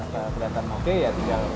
kelihatan oke ya tinggal